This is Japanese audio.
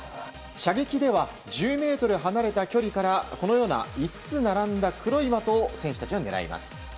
射撃では１０ｍ離れた距離からこのような５つ並んだ黒い的を選手たちは狙います。